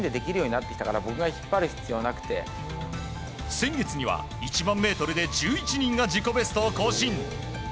先月には１００００ｍで１１人が自己ベストを更新。